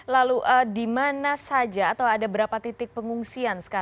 lalu di mana saja atau ada berapa titik pengungsian